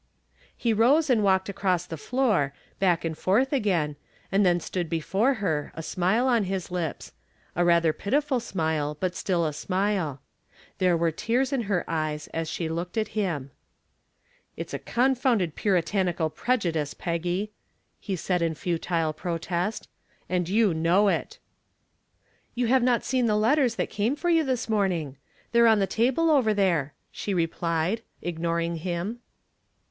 He rose and walked across the floor, back and forth again, and then stood before her, a smile on his lips a rather pitiful smile, but still a smile. There were tears in her eyes as she looked at him. "It's a confounded puritanical prejudice, Peggy," he said in futile protest, "and you know it." "You have not seen the letters that came for you this morning. They're on the table over there," she replied, ignoring him.